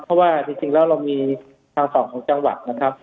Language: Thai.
เพราะว่าจริงแล้วเรามีทางฝั่งของจังหวัดนะครับ